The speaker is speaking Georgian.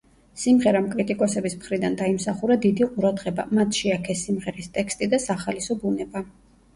სიმღერამ კრიტიკოსების მხრიდან დაიმსახურა დიდი ყურადღება, მათ შეაქეს სიმღერის ტექსტი და სახალისო ბუნება.